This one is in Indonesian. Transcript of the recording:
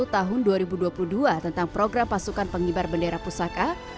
tahun dua ribu dua puluh dua tentang program pasukan pengibar bendera pusaka